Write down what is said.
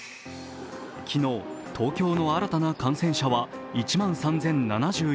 昨日、東京の新たな感染者は１万３０７４人。